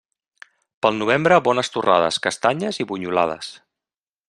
Pel novembre, bones torrades, castanyes i bunyolades.